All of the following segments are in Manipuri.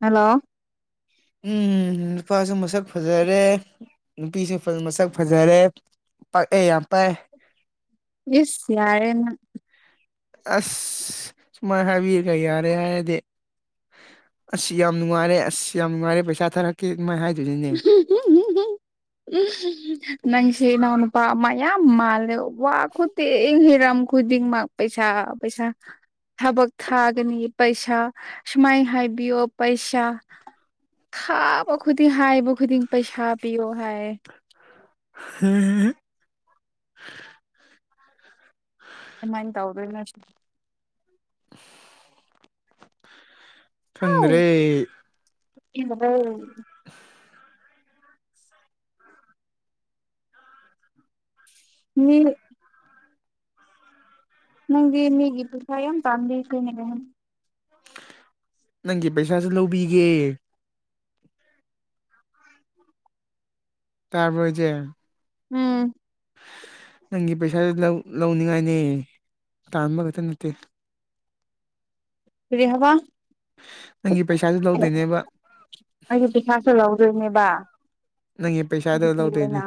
ꯍꯜꯂꯣ ꯎꯝ ꯅꯨꯄꯥꯁꯨ ꯃꯁꯛ ꯐꯖꯔꯦ ꯅꯨꯄꯤꯁꯨ ꯃꯁꯛ ꯐꯖꯔꯦ ꯄꯥꯛꯑꯦ ꯌꯥꯝ ꯄꯥꯏ ꯏꯁ ꯌꯥꯔꯦꯅ ꯑꯁ ꯁꯨꯃꯥꯏꯅ ꯍꯥꯏꯕꯤꯔꯒ ꯌꯥꯔꯦ ꯍꯥꯏꯔꯗꯤ ꯑꯁ ꯌꯥꯝ ꯅꯨꯡꯉꯥꯏꯔꯦ ꯑꯁ ꯌꯥꯝ ꯅꯨꯡꯉꯥꯏꯔꯦ ꯄꯩꯁꯥ ꯊꯥꯔꯛꯀꯦ ꯑꯗꯨꯃꯥꯏ ꯍꯥꯏꯗꯣꯏꯅꯦ ꯝꯝ ꯎꯝ ꯅꯪꯁꯤꯦ ꯏꯅꯥꯎ ꯅꯨꯄꯥ ꯑꯃ ꯌꯥꯝ ꯃꯥꯜꯂꯦ ꯋꯥ ꯈꯨꯗꯤꯡ ꯍꯤꯔꯝ ꯈꯨꯗꯤꯡꯃꯛ ꯄꯩꯁꯥ ꯄꯩꯁꯥ ꯊꯕꯛ ꯊꯥꯒꯅꯤ ꯄꯩꯁꯥ ꯁꯨꯃꯥꯏꯅ ꯍꯥꯏꯕꯤꯌꯣ ꯄꯩꯁꯥ ꯊꯥꯕ ꯈꯨꯗꯤꯡ ꯍꯥꯏꯕ ꯈꯨꯗꯤꯡ ꯄꯩꯁꯥ ꯄꯤꯌꯣ ꯍꯥꯏꯌꯦ ꯍ ꯀꯃꯥꯏꯅ ꯇꯧꯗꯣꯏꯅꯣ ꯁꯤ [unintelligible] ꯈꯪꯗ꯭ꯔꯦ ꯏ ꯍ [unintelligible] ꯃꯤ ꯅꯪꯒꯤ ꯃꯤꯒꯤ ꯄꯁꯥꯏ ꯇꯥꯝꯕꯤ ꯀꯅꯤꯔꯦ ꯅꯪꯒꯤ ꯄꯩꯁꯥꯁꯨ ꯂꯧꯕꯤꯒꯦ ꯇꯥꯔꯕꯁꯦ ꯎꯝ ꯅꯪꯒꯤ ꯄꯩꯁꯥꯁꯨ ꯂꯧꯅꯤꯡꯉꯥꯏꯅꯦ ꯇꯥꯟꯕ ꯈꯛꯇ ꯅꯠꯇꯦ ꯔꯤꯍꯕ ꯅꯪꯒꯤ ꯄꯩꯁꯥꯁꯨ ꯂꯧꯗꯣꯏꯅꯦꯕ ꯑꯩꯒꯤ ꯄꯩꯈꯥꯁꯨ ꯂꯧꯗꯣꯏꯅꯦꯕ ꯅꯪꯒꯤ ꯄꯩꯁꯥꯗꯣ ꯑꯩꯒꯤ ꯐꯤ ꯂꯧꯗꯣꯏꯅꯦ ꯑꯣꯏꯅ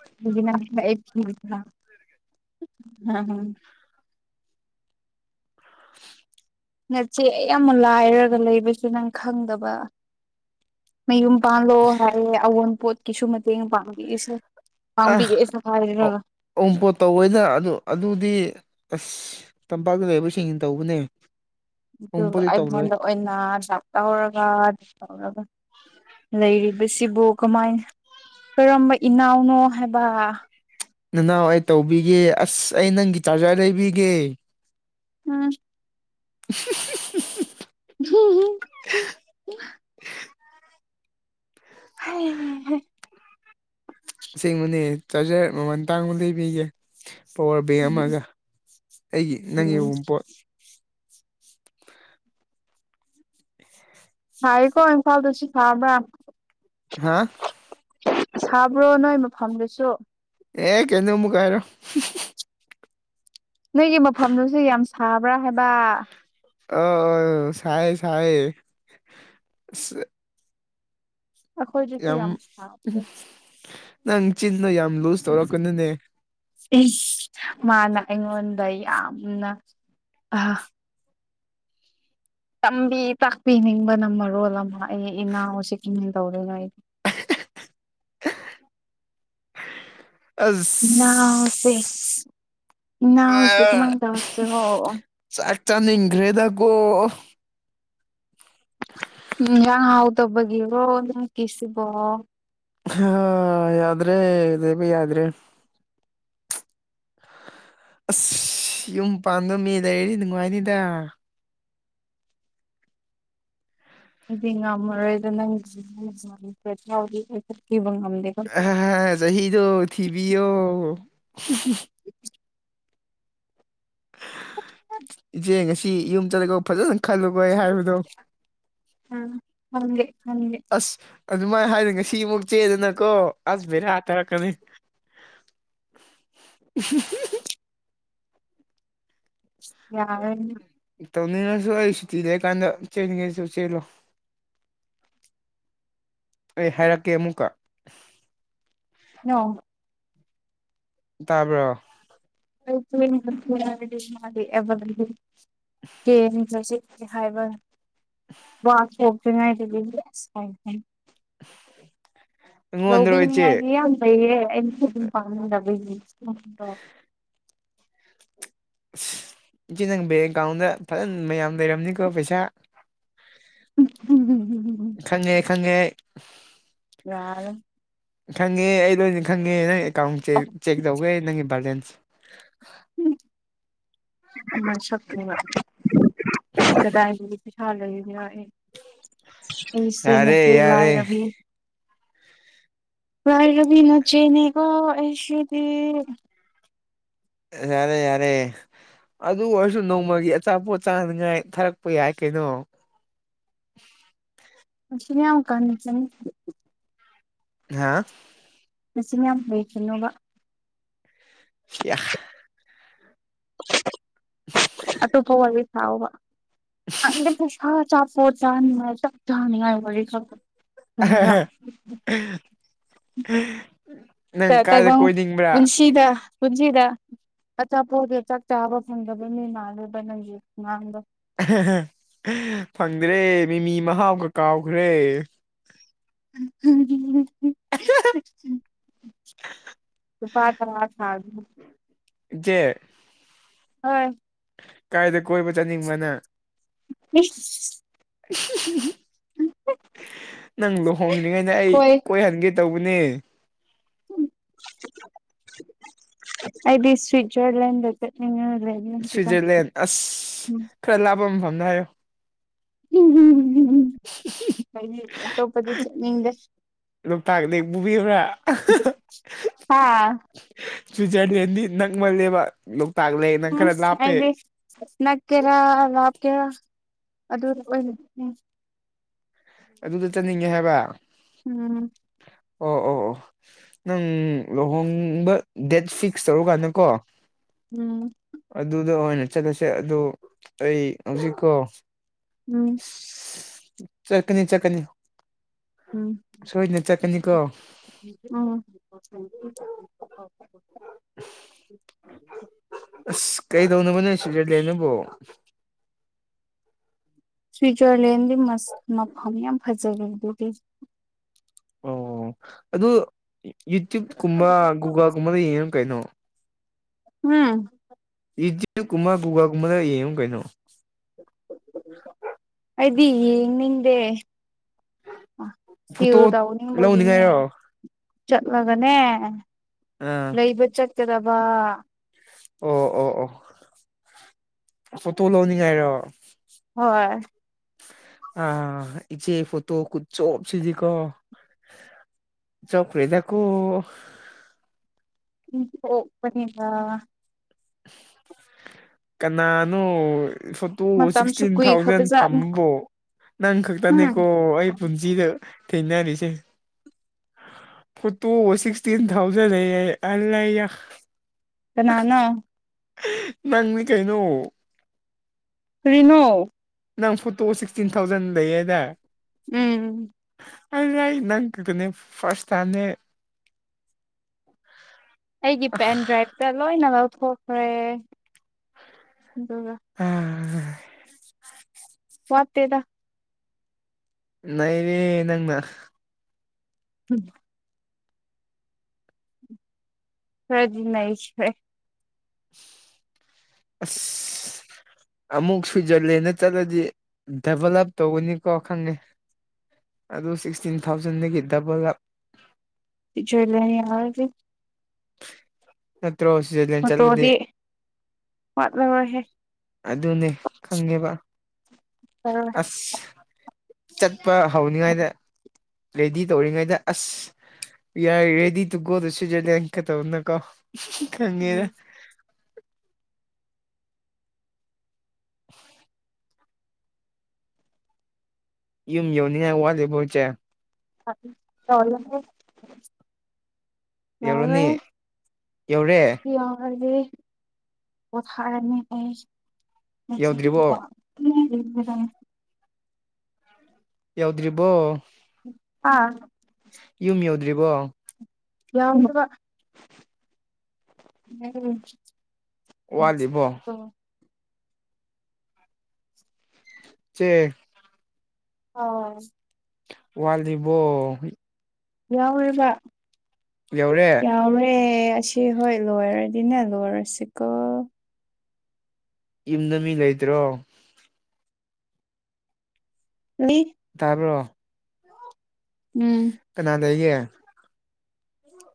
[unintelligible] ꯉꯆꯦ ꯑꯩ ꯑꯃꯨꯛ ꯂꯥꯏꯔꯒ ꯂꯩꯕꯁꯨ ꯅꯪ ꯈꯪꯗꯕ ꯃꯌꯨꯝ ꯄꯥꯡꯜꯂꯣ ꯍꯥꯏꯌꯦ ꯑꯑꯣꯟꯄꯣꯠꯀꯤꯁꯨ ꯃꯇꯦꯡ ꯄꯥꯡꯕꯤꯏꯁꯦ ꯑ ꯄꯥꯡꯕꯤꯔꯛꯑꯦꯁꯨ ꯍꯥꯏꯔꯒ ꯑꯣꯝꯄꯣꯠ ꯇꯧꯋꯅ ꯑꯗꯨ ꯑꯗꯨꯗꯤ ꯑꯁ ꯇꯝꯄꯥꯛꯇ ꯂꯩꯕ ꯁꯤꯡꯁꯤꯅ ꯇꯧꯕꯅꯦ ꯑꯗꯨꯒ ꯑꯃꯨꯛꯄꯨꯗꯤ ꯇꯧꯔꯣꯏ ꯑꯩꯉꯣꯟꯗ ꯑꯣꯏꯅ ꯗꯥꯛ ꯇꯧꯔꯒ ꯇꯧꯔꯒ ꯂꯩꯔꯤꯕꯁꯤꯕꯨ ꯀꯃꯥꯏꯅ ꯀꯔꯝꯕ ꯏꯅꯥꯎꯅꯣ ꯍꯥꯏꯕ ꯅꯅꯥꯎ ꯑꯩ ꯇꯧꯕꯤꯒꯦ ꯑꯁ ꯑꯩ ꯅꯪꯒꯤ ꯆꯥꯔꯖꯔ ꯂꯩꯕꯤꯒꯦ ꯎꯝ [unintelligible] [unintelligible] ꯍꯩ ꯍꯩ ꯑꯁꯦꯡꯕꯅꯦ ꯆꯥꯔꯖꯔ ꯃꯃꯜ ꯇꯥꯡꯕ ꯂꯩꯕꯤꯒꯦ ꯄꯋꯥꯔ ꯕꯦꯡ ꯑꯃꯒ ꯑꯩꯒꯤ ꯅꯪ ꯎꯝ ꯑꯌꯟꯄꯣ ꯍꯥꯏ ꯀꯣ ꯏꯝꯐꯥꯜ ꯁꯤ ꯈꯥꯕ꯭ꯔ ꯍꯥ ꯁꯥꯕ꯭ꯔꯣ ꯅꯣꯏ ꯃꯐꯝꯗꯨꯁꯨ ꯑꯦ ꯀꯩꯅꯣꯃꯨ ꯀꯥꯏꯔꯣ ꯅꯣꯏꯒꯤ ꯃꯐꯝꯗꯨꯁꯨ ꯌꯥꯝ ꯁꯥꯕ꯭ꯔꯥ ꯍꯥꯏꯕ ꯑꯣ ꯁꯋꯌꯦ ꯁꯋ ꯑꯩꯈꯣꯏꯗꯁꯨ ꯌꯥꯝ ꯁꯥꯕꯗꯣ ꯅꯪ ꯆꯤꯟꯅ ꯌꯥꯝ ꯂꯨꯖ ꯇꯧꯔꯛꯀꯅꯨꯅꯦ ꯃꯥꯅ ꯑꯩꯉꯣꯟꯗ ꯌꯥꯝꯅ ꯑ ꯇꯝꯕꯤ ꯇꯥꯛꯄꯤꯅꯤꯡꯕꯅ ꯃꯔꯣꯜ ꯑꯃ ꯑꯩ ꯏꯅꯥꯎꯁꯤ ꯀ ꯇꯧꯔꯤꯅꯣ ꯑꯩꯗꯤ ꯑꯁ ꯅꯥꯎꯁꯦ ꯅꯅꯥꯎ ꯁꯦ ꯀꯃꯥꯏ ꯑ ꯇꯧꯁꯦꯔ꯫ ꯆꯥꯛ ꯆꯥꯟꯒ꯭ꯔꯦꯗꯒꯣ ꯏꯁꯥꯅ ꯍꯥꯎꯇꯕꯒꯤꯔꯣ ꯅꯪꯒꯤꯁꯕꯣ ꯑ ꯌꯥꯗ꯭ꯔꯦ ꯂꯩꯕ ꯌꯥꯗ꯭ꯔꯦ ꯑꯁ ꯌꯨꯝ ꯄꯥꯟꯗ ꯃꯤ ꯂꯩꯔꯤ ꯅꯨꯡꯉꯥꯏꯅꯤꯗ ꯑꯩꯗꯤ ꯉꯝꯃꯔꯣꯏꯗ ꯅꯪꯒꯤꯗꯤ ꯑꯩ ꯆꯠꯈꯤꯕ ꯉꯝꯗꯦ ꯑ ꯆꯍꯤꯗꯣ ꯊꯤꯕꯤꯌꯣ [inaudible] ꯏꯆꯦ ꯉꯁꯤ ꯌꯨꯝ ꯆꯂꯒ ꯐꯖꯅ ꯈꯜꯂꯨꯕꯣꯏ ꯍꯥꯏꯕꯗꯣ ꯈꯪꯗꯦ ꯈꯪꯗꯦ ꯑꯁ ꯑꯗꯨꯃꯥꯏꯅ ꯍꯥꯏꯔꯒꯞꯉꯁꯤꯃꯨꯛ ꯆꯦꯗꯅꯀꯣ ꯑꯁ ꯕꯦꯔꯥ ꯀꯥꯔꯛꯀꯅꯤ [unintelligible] ꯌꯥꯔꯅꯪ ꯇꯧꯅꯤꯡꯉꯁꯨ ꯑꯩ ꯁꯨꯇꯤ ꯂꯩ ꯀꯥꯟꯗ ꯆꯦꯟꯅꯤꯡꯉꯦꯁꯨ ꯆꯦꯜꯂꯣ ꯫ ꯑꯩ ꯍꯥꯏꯔꯛꯀꯦ ꯑꯃꯨꯛꯀ [unintelligible] ꯇꯥꯕ꯭ꯔꯣ ꯑꯩ ꯃꯥꯗꯤ [unintelligible] ꯍꯥꯏꯕ ꯋꯥ ꯊꯣꯛꯇ꯭ꯔꯤꯉꯩꯗꯨꯗꯒꯤꯗꯤ ꯑꯁꯥꯏ [unintelligible] ꯂꯧꯕꯤꯅꯤ ꯏꯆꯦ ꯍꯥꯏꯔꯗꯤ ꯌꯥꯝ ꯐꯩꯌ [unintelligible] ꯑꯁ ꯏꯆꯦ ꯅꯪ ꯕꯦꯡ ꯑꯦꯀꯥꯎꯟꯗ ꯐꯖꯅ ꯃꯌꯥꯝ ꯂꯩꯔꯝꯅꯤꯀꯣ ꯄꯩꯁꯥ ꯫ [unintelligible] ꯈꯪꯉꯦ ꯈꯪꯉꯦ ꯌꯥꯔ ꯈꯪꯉꯦ ꯑꯩ ꯂꯣꯏꯅ ꯈꯪꯉꯦ ꯅꯪ ꯑꯦꯀꯥꯎꯟꯁꯦ ꯆꯦꯛ ꯇꯧꯒꯦ ꯅꯪꯒꯤ ꯕꯦꯂꯦꯟꯁ [unintelligible] ꯃꯁꯛ ꯇꯨꯒ ꯀꯗꯥꯏ ꯗꯒꯤ ꯄꯩꯁꯥ ꯂꯩꯔꯕꯥ ꯑꯩ ꯑꯩꯁꯦ ꯌꯥꯔꯦ ꯅꯆꯦ ꯌꯥꯔꯦ ꯂꯥꯏꯔꯕꯤ ꯥꯅꯪꯒꯤꯗꯤ ꯅꯆꯦꯅꯦꯀꯣ ꯑꯦꯁꯗꯤ ꯌꯥꯔꯦ ꯌꯥꯔꯦ ꯑꯗꯨ ꯑꯣꯏꯔꯁꯨ ꯅꯣꯡꯃꯒꯤ ꯑꯆꯥꯄꯣꯠ ꯆꯥꯅꯤꯉꯥꯏ ꯊꯥꯔꯛꯄ ꯌꯥꯏ ꯀꯩꯅꯣ ꯫ ꯔꯁꯤ ꯌꯥꯝ ꯀꯪꯉꯤ ꯅꯪꯁꯤ꯫ ꯍꯥ ꯅꯆꯤꯟ ꯌꯥꯝ ꯍꯩꯒꯅꯣꯕ ꯁꯤꯌꯥ ꯑꯇꯣꯞꯄ ꯋꯥꯔꯤ ꯁꯥꯥꯎꯕ ꯑ ꯄꯣꯠ ꯆꯥꯅꯤꯡꯉꯥꯏ ꯆꯥꯛ ꯆꯥꯅꯤꯡꯉꯥꯏ ꯋꯥꯔꯤꯈꯛꯇ ꯀꯔꯤꯔꯥ ꯎꯝ [inaudible] ꯇꯩꯕꯪ ꯄꯨꯟꯁꯤꯗ ꯄꯨꯟꯁꯤꯗ ꯑꯆꯥꯄꯣꯠꯒꯤ ꯆꯥꯛ ꯆꯥꯕ ꯐꯪꯗꯕ ꯃꯤ ꯃꯥꯜꯂꯦꯕ ꯅꯪꯒꯤ ꯈꯨꯉꯥꯡꯗꯣ ꯐꯪꯗ꯭ꯔꯦ ꯃꯤꯃꯤ ꯃꯍꯥꯎꯒ ꯀꯥꯎꯈ꯭ꯔꯦ ꯫ [unintelligible] ꯂꯨꯄꯥ ꯇꯔꯥ ꯐꯒꯅꯤ ꯏꯆꯦ ꯍꯣꯏ ꯀꯥꯏꯗ ꯀꯣꯏꯕ ꯆꯠꯅꯤꯡꯕ ꯅꯪ ꯏꯁ ꯅꯪ ꯂꯨꯍꯣꯡꯗ꯭ꯔꯤꯉꯩꯗ ꯑꯩ ꯍꯣꯏ ꯀꯣꯏꯍꯟꯒꯦ ꯇꯧꯕꯅꯦ ꯑꯩꯗꯤ ꯁ꯭ꯋꯤꯠꯖꯥꯔꯂꯦꯟ ꯗ ꯆꯠꯅꯤꯡꯌꯦ ꯁ꯭ꯋꯤꯖꯔꯂꯦꯟ ꯑꯁ ꯈꯔ ꯂꯥꯄ ꯃꯐꯝꯗ ꯍꯥꯏꯌꯣ ꯎꯝꯝ ꯑꯇꯣꯞꯄꯗꯤ ꯆꯠꯅꯤꯡꯗꯦ ꯂꯣꯛꯇꯥꯛ ꯂꯦꯛ ꯄꯨꯕꯤꯌꯨꯔꯥ ꯍꯥ ꯁ꯭ꯋꯤꯠꯖꯔꯂꯦꯟꯗꯤ ꯅꯪ ꯃꯜꯂꯦꯕ ꯂꯣꯛꯇꯥꯛ ꯂꯦꯛꯅ ꯈꯔ ꯂꯥꯞꯄꯦ ꯅꯛꯀꯦꯔ ꯂꯞꯀꯦꯔ ꯑꯗꯨ ꯑꯣꯏ ꯑꯗꯨꯗ ꯆꯠꯅꯤꯡꯉꯦ ꯍꯥꯏꯕ ꯎꯝ ꯑꯣ ꯑꯣ ꯑꯣ ꯅꯪ ꯂꯨꯍꯣꯡꯕ ꯗꯦꯠ ꯐꯤꯛꯁ ꯇꯧꯔꯀꯥꯟꯗ ꯀꯣ ꯎꯝ ꯑꯗꯨꯗ ꯑꯣꯏꯅ ꯆꯠꯂꯁꯦ ꯑꯗꯨ ꯑꯩ ꯍꯧꯖꯤꯛꯀꯣ ꯎꯝ ꯆꯠꯀꯅꯤ ꯆꯠꯀꯅꯤ ꯁꯣꯏꯗꯅ ꯆꯠꯀꯅꯤꯀꯣ ꯑꯥꯎ ꯑꯁ ꯀꯩꯗꯧꯅꯕꯅꯦ ꯁ꯭ꯋꯤꯖꯔꯂꯦꯟꯗꯨꯕꯨ ꯁ꯭ꯋꯤꯠꯖꯔꯂꯦꯟꯗꯤ ꯃꯐꯝ ꯌꯥꯝ ꯐꯖꯕꯗꯨꯗꯤ ꯑꯣ ꯑꯗꯨ ꯌꯨꯇ꯭ꯨꯞꯀꯨꯝꯕ ꯒꯣꯒꯜꯒꯨꯝꯕꯗ ꯌꯦꯡꯉꯣ ꯀꯩꯅꯣ ꯎꯝ ꯌꯨꯇꯨꯞ ꯀꯨꯝꯒ ꯀꯨꯒꯥꯜꯒꯨꯝꯕꯗ ꯌꯦꯡꯉꯨ ꯀꯩꯅꯣ ꯑꯩꯗꯤ ꯌꯦꯡꯅꯤꯡꯗꯦ ꯁꯤꯜ ꯐꯣꯇꯣ ꯇꯥꯎꯅꯤꯡꯕꯒꯤꯅꯦ ꯂꯧꯅꯤꯡꯉꯥꯏꯔꯣ ꯆꯠꯂꯒꯅꯦ ꯑꯥ ꯂꯩꯕ ꯆꯠꯀꯗꯕ ꯑꯣ ꯑꯣ ꯑꯣ ꯐꯣꯇꯣ ꯂꯧꯅꯤꯡꯉꯥꯏꯔꯣ ꯍꯣꯏ ꯑꯥ ꯏꯆꯦ ꯐꯣꯇꯣ ꯈꯨꯆꯣꯞ ꯁꯤꯗꯤ ꯀꯣ ꯆꯣꯞꯈ꯭ꯔꯦ ꯗꯒꯣ ꯎ ꯑꯣꯄꯅꯤꯕ [inaudible] ꯀꯅꯥꯅꯣ ꯐꯨꯠ ꯇꯨ ꯃꯇꯝꯁꯨ ꯁꯤꯛꯁꯇꯤꯟ ꯊꯥꯎꯖꯟ ꯀꯨꯏꯈ꯭ꯔꯕꯖꯥꯠꯅꯤ ꯊꯝꯕꯣ ꯅꯪ ꯎꯝ ꯈꯛꯇꯅꯦꯀꯣ ꯑꯩ ꯄꯨꯟꯁꯤꯗ ꯊꯦꯡꯅꯔꯤꯁꯦ ꯐꯣꯇꯣꯕꯨ ꯁꯤꯛꯁꯇꯤꯟ ꯊꯥꯎꯖꯟꯗ ꯑꯦ ꯑꯔꯥꯌꯥ ꯀꯅꯥꯅꯣ ꯅꯪꯅꯤ ꯀꯩꯅꯣ ꯀꯔꯤꯅꯣ ꯅꯪ ꯐꯣꯇꯣ ꯁꯤꯛꯁꯇꯤꯟ ꯊꯥꯎꯖꯟ ꯂꯩꯌꯦꯗ ꯎꯝ ꯑꯗꯨ ꯑꯩ ꯅꯪꯈꯛꯇꯅꯦ ꯐꯥꯔꯁꯇ ꯇꯥꯏꯝꯅꯦ [inaudible] ꯑꯩꯒꯤ ꯄꯦꯟ ꯗ꯭ꯔꯥꯏꯚꯇ ꯂꯣꯏꯅ ꯂꯧꯊꯣꯛꯈ꯭ꯔꯦ ꯑꯗꯨꯒ ꯑꯥ ꯋꯥꯠꯇꯦꯗ ꯅꯩꯔꯦ ꯅꯪꯅ ꯎꯝ ꯈꯔꯗꯤ ꯅꯩꯈ꯭ꯔꯦ ꯑꯁꯁ ꯑꯃꯨꯛ ꯁ꯭ꯋꯤꯖꯔꯂꯦꯟꯗ ꯆꯠꯂꯗꯤ ꯗꯦꯕꯂꯞ ꯇꯧꯒꯅꯤꯀꯣ ꯈꯪꯉꯦ ꯑꯗꯨ ꯁꯤꯛꯁꯇꯤꯟ ꯊꯥꯎꯖꯟꯗꯒꯤ ꯗꯦꯕꯔꯥꯞ ꯁꯨꯣꯏ ꯂ ꯑꯒꯦ [inaudible] ꯅꯠꯇ꯭ꯔꯣ ꯁ꯭ꯋꯤꯖꯂꯦꯟ ꯆꯠꯂꯗꯤ ꯐꯣꯇꯣꯗꯤ ꯋꯥꯠꯂꯔꯣꯏꯍꯦ ꯑꯗꯨꯅꯦ ꯈꯪꯉꯦꯕ ꯇꯧꯔꯣꯏ ꯑꯁ ꯆꯠꯄ ꯍꯧꯅꯤꯉꯥꯏꯗ ꯔꯦꯗꯤ ꯇꯧꯔꯤꯉꯩꯗ as we are ready to go to Switzerland ꯀ ꯇꯧꯅꯗꯀꯣ ꯈꯪꯉꯦꯗ ꯎꯝ [unintelligible] ꯌꯨꯝ ꯌꯧꯅꯤꯡꯉꯥꯏ ꯋꯥꯠꯂꯤꯕꯣ ꯏꯆꯦ [inaudible] ꯌꯥꯎꯔꯦ ꯌꯧꯔꯅꯤ ꯌꯧꯔꯦ ꯁꯤ ꯌꯥꯎꯔꯗꯤ ꯄꯣꯊꯥꯔꯅꯤ ꯑꯩ ꯌꯧꯗ꯭ꯔꯤꯕꯣ [inaudible] [inaudible] ꯌꯧꯗ꯭ꯔꯤꯕꯣ ꯑꯥ ꯌꯨꯝ ꯌꯧꯗ꯭ꯔꯤꯕꯣ [unintelligible] ꯋꯥꯠꯂꯤꯕꯣ [inaudible] ꯆꯦ [unintelligible] ꯋꯥꯠꯂꯤꯕꯣ ꯌꯥꯎꯔꯦꯕ ꯌꯧꯔꯦ ꯌꯥꯎꯔꯦ ꯑꯁꯤ ꯍꯣꯏ ꯂꯣꯏꯔꯗꯤꯅꯦ ꯂꯣꯏꯔꯁꯤꯀꯣ ꯌꯨꯝꯗ ꯃꯤ ꯂꯩꯇ꯭ꯔꯣ ꯂꯩ ꯇꯥꯕꯔꯣ ꯎꯝ ꯀꯅꯥ ꯂꯩꯒꯦ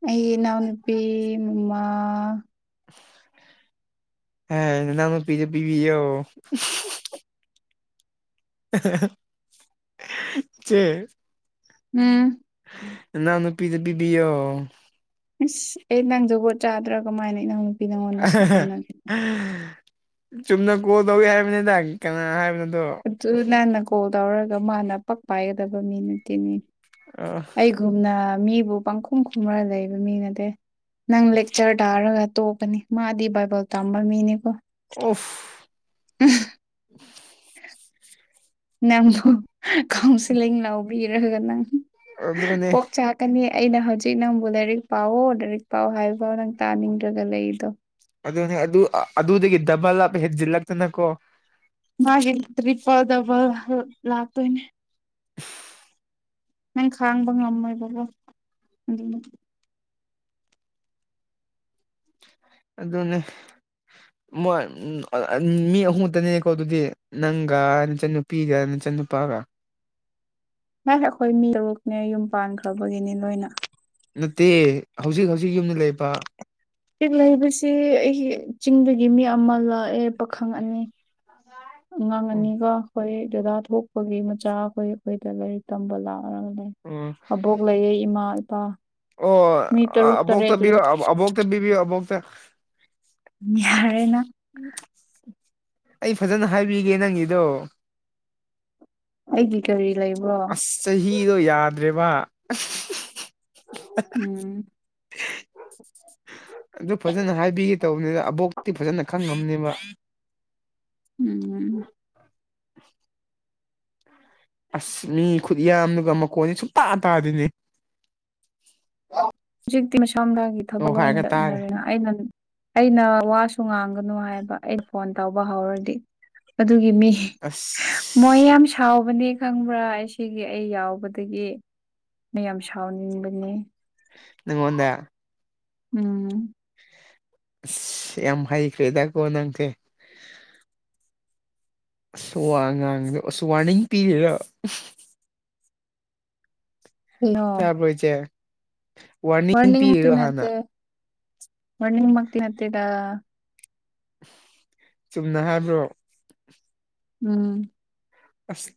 ꯑꯩ ꯏꯅꯥꯎ ꯅꯨꯄꯤ ꯃꯃꯥ [inaudible] ꯍ ꯅꯅꯥꯎꯅꯨꯄꯤꯗꯣ ꯄꯤꯕꯤꯑꯣ [unintelligible] ꯆꯦ ꯎꯝ ꯅꯅꯥꯎꯅꯨꯄꯤꯗꯨ ꯄꯤꯕꯤꯌꯣ ꯑꯩꯁ ꯑꯩ ꯅꯪ ꯖꯨꯒꯣꯠ ꯆꯗ꯭ꯔꯥꯒ ꯀꯃꯥꯏꯅ ꯏꯅꯥꯎ ꯅꯨꯄꯤ ꯅꯪꯉꯣꯟꯗ ꯁꯤꯖꯤꯅ ꯆꯨꯝꯅ ꯀꯣꯜ ꯇꯧꯒꯦ ꯍꯥꯏꯕꯅꯤꯗ ꯀꯅꯥ ꯍꯥꯏꯕꯅꯣꯗꯣ ꯑꯗꯨ ꯅꯪꯅ ꯀꯣꯜ ꯇꯧꯔꯒ ꯃꯥꯅ ꯄꯛ ꯄꯥꯏꯒꯗꯕ ꯃꯤ ꯅꯠꯇꯦꯅꯦ ꯑ ꯑꯩꯒꯨꯝꯅ ꯃꯤꯕꯨ ꯄꯥꯡꯈꯨꯝ ꯈꯨꯝꯃꯒ ꯂꯩꯕ ꯃꯤꯅꯠꯇꯦ꯫ ꯅꯪ ꯂꯦꯛꯆꯔ ꯇꯥꯔꯒ ꯇꯣꯛꯀꯅꯤ ꯃꯥꯗꯤ ꯕꯥꯏꯕꯜ ꯇꯝꯕ ꯃꯤꯅꯤꯀꯣ꯫ ꯑꯣꯐ꯫ ꯅꯪꯁꯨ ꯀꯥꯎꯟꯁꯤꯂꯤꯡ ꯂꯧꯕꯤ꯫ ꯅꯪ ꯑꯗꯨꯅꯦ ꯀꯣꯛ ꯆꯥꯛ꯫ ꯀꯅꯤ ꯑꯩꯅ ꯍꯧꯖꯤꯛ ꯅꯪꯕꯨ ꯂꯥꯏꯔꯤꯛ ꯄꯥꯑꯣ ꯂꯥꯏꯔꯤꯛ ꯄꯥꯎꯑꯣ ꯍꯥꯏꯕꯐꯥꯎ ꯅꯪ ꯇꯥꯅꯤꯡꯗ꯭ꯔꯒ ꯂꯩꯔꯤꯗꯣ꯫ ꯑꯗꯨꯅꯦ ꯑꯗꯨ ꯑꯗꯨꯗꯒꯤ ꯗꯕꯜ ꯑꯞ ꯍꯦꯟꯖꯤꯜꯂꯛꯇꯅꯀꯣ ꯃꯥꯒꯤ ꯇ꯭ꯔꯤꯄꯜ ꯗꯕꯜ ꯂꯥꯛꯇꯣꯏꯅꯦ ꯅꯪ ꯈꯥꯡꯕ ꯉꯝꯃꯣꯏ [unintelligible] ꯑꯗꯨꯅꯦ ꯃꯣꯏ ꯃꯤ ꯑꯍꯨꯝ ꯈꯛꯇꯅꯦꯀꯣ ꯑꯗꯨꯗꯤ ꯅꯪꯒ ꯅꯆꯟꯅꯨꯄꯤꯒ ꯅꯆꯟꯅꯨꯄꯥꯒ ꯍꯥꯏ ꯑꯩꯈꯣꯏ ꯃꯤ ꯇꯔꯨꯛꯅꯦ ꯌꯨꯝ ꯄꯥꯟꯈ꯭ꯔꯕꯒꯤꯅꯤ ꯂꯣꯏꯅ ꯅꯠꯇꯦ ꯍꯧꯖꯤꯛ ꯍꯧꯖꯤꯛ ꯌꯨꯝꯗ ꯂꯩꯕ꯫ ꯍꯧꯖꯤꯛ ꯂꯩꯕꯁꯤ ꯑꯩꯒꯤ ꯆꯤꯡꯗꯒꯤ ꯃꯤ ꯑꯃ ꯂꯥꯛꯑꯦ ꯄꯥꯈꯪ ꯑꯅꯤ꯫ ꯑꯉꯥꯡ ꯎꯝ ꯑꯅꯤꯒ ꯑꯩꯈꯣꯏ ꯗꯥꯗꯥ ꯊꯣꯛꯄꯒꯤ ꯃꯆꯥ ꯑꯩꯈꯣꯏ ꯑꯩꯈꯣꯏꯗ ꯂꯥꯏꯔꯤꯛ ꯇꯝꯕ ꯂꯥꯛꯑꯒ ꯂꯩ꯫ ꯑꯣ꯫ ꯑꯕꯣꯛ ꯂꯩꯌꯦ ꯏꯃꯥ ꯏꯄꯥ꯫ ꯃꯤ ꯑꯣ ꯇꯔꯨꯛ ꯑꯕꯣꯛꯇ ꯇꯔꯦꯠ ꯂꯩ ꯕꯤꯌꯣ ꯑꯃꯨꯛꯇ ꯄꯤꯕꯤꯌꯨ ꯑꯕꯣꯛꯇ꯫ ꯌꯥꯔꯦꯅ꯫ ꯑꯩ ꯐꯖꯅ ꯍꯥꯏꯕꯤꯒꯦ ꯅꯪꯒꯤꯗꯣ꯫ ꯑꯩꯒꯤ ꯀꯔꯤ ꯂꯩꯕ꯭ꯔꯣ꯫ ꯑꯁ ꯆꯍꯤꯗꯣ ꯌꯥꯗ꯭ꯔꯦꯕ꯫ ꯎꯝ ꯑꯗꯨ ꯐꯖꯅ ꯍꯥꯏꯕꯤꯒꯦ ꯇꯧꯕꯅꯤꯗ ꯑꯕꯣꯛꯇꯤ ꯐꯖꯅ ꯈꯪꯉꯝꯅꯤꯃꯥ꯫ ꯎꯝ꯫ [inaudible] [unintelligible] ꯑꯁ ꯃꯤ ꯈꯨꯠ ꯌꯥꯝꯗꯨꯒ ꯃꯈꯣꯟꯅꯤ ꯁꯨꯡ ꯇꯥ ꯇꯥꯗꯦꯅꯦ꯫ ꯍꯧꯖꯤꯛꯇꯤ ꯃꯁꯥ ꯃꯁꯥꯒꯤ ꯊꯕꯛ ꯑꯣ ꯂꯣꯏꯅ ꯍꯥꯏꯔꯒ ꯇꯥꯔꯦ ꯆꯠꯅꯔꯦꯅ꯫ ꯑꯩꯅ ꯑꯩꯅ ꯋꯥꯁꯨ ꯉꯥꯡꯒꯅꯣ ꯍꯥꯏꯕ ꯑꯩꯅ ꯐꯣꯟ ꯇꯧꯕ ꯍꯧꯔꯗꯤ꯫ ꯑꯗꯨꯒꯤ ꯃꯤ꯫ ꯃꯣꯏ ꯑꯁ ꯌꯥꯝ ꯁꯥꯎꯕꯅꯦ ꯈꯪꯕ꯭ꯔꯥ ꯁꯤꯒꯤ ꯑꯩ ꯌꯥꯎꯕꯗꯒꯤ꯫ ꯃꯌꯥꯝ ꯁꯥꯎꯅꯤꯡꯕꯅꯦ꯫ ꯅꯪꯉꯣꯟꯗ꯫ ꯎꯝ꯫ ꯑꯁ ꯌꯥꯝ ꯍꯩꯈ꯭ꯔꯦꯗꯥꯀꯣ ꯅꯪꯁꯦ꯫ ꯑꯁ ꯋꯥꯉꯥꯡꯗꯣ ꯑꯁ ꯋꯥꯔꯅꯤꯡ ꯄꯤꯔꯤꯔ꯫ ꯀꯩꯅꯣ ꯇꯕꯔꯣ ꯏꯁꯦ꯫ ꯋꯥꯔꯅꯤꯡꯗꯤ ꯅꯠꯇꯦ ꯋꯥꯔꯅꯤꯡ ꯃꯛꯇꯤ ꯅꯠꯇꯦꯗꯥ꫰꫰ ꯆꯨꯝꯅ ꯍꯥꯏꯕ꯭ꯔꯣ꯫ ꯎꯝ꯫ ꯑꯁ꯫